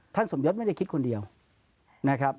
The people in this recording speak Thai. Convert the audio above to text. สมยศไม่ได้คิดคนเดียวนะครับ